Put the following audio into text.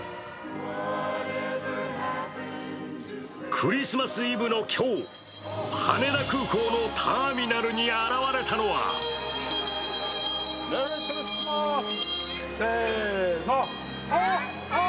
クリスマスイブの今日、羽田空港のターミナルに現れたのはメリークリスマス！